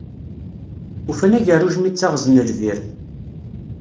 Ufan agerruj mi ttaɣzen lbir.